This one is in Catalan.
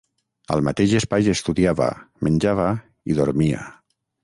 Al mateix espai estudiava, menjava i dormia.